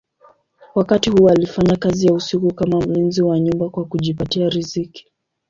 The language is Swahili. Wakati huu alifanya kazi ya usiku kama mlinzi wa nyumba kwa kujipatia riziki.